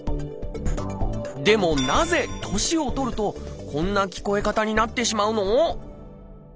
でもなぜ年を取るとこんな聞こえ方になってしまうの？